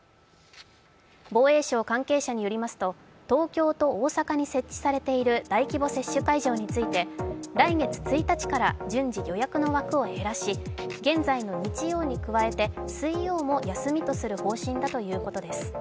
防衛省関係者によりますと東京と大阪に設置されている大規模接種会場について来月１日から順次予約の枠を減らし現在の日曜に加えて、水曜も休みとする方針だということです。